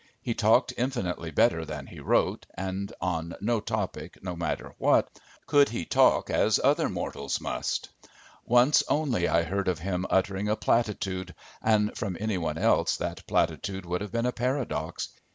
He talked infinitely better than he wrote, and on no topic, no matter what, could he talk as other mortals must. Once only I heard of him uttering a platitude and from any one else that platitude would have been a paradox.